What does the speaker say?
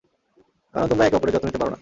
কারণ তোমরা একে অপরের যত্ন নিতে পার না।